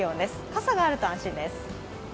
傘があると安心です。